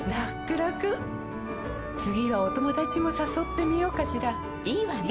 らくらくはお友達もさそってみようかしらいいわね！